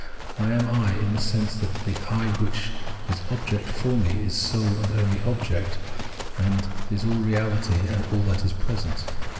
I am I in the sense that the I which is object for me is sole and only object, is all reahty and all that is present.